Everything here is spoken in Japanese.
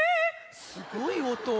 すごいおと。